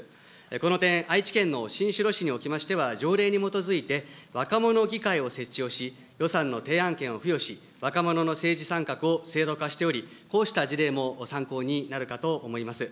この点、愛知県の新城市におきましては、条例に基づいて、若者議会を設置をし、予算の提案権を付与し、若者の政治参画を制度化しており、こうした事例も参考になるかと思います。